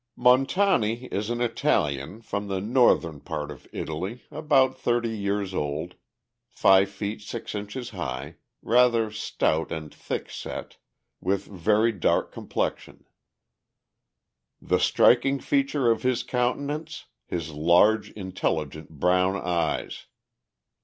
Montani is an Italian, from the northern part of Italy, about 30 years old, five feet six inches high, rather stout and thick set, with very dark complexion. The striking feature of his countenance, his large, intelligent brown eyes.